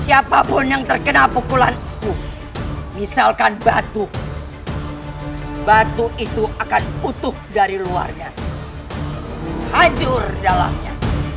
siapapun yang terkena pukulan misalkan batuk batu itu akan utuh dari luarnya hancur dalamnya